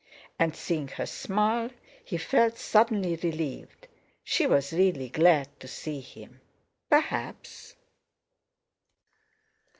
And, seeing her smile, he felt suddenly relieved. She was really glad to see him, perhaps.